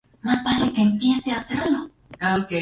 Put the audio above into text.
Dos meses más tarde, lanzaba su propio sitio web.